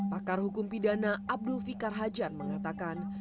pakar hukum pidana abdul fikar hajar mengatakan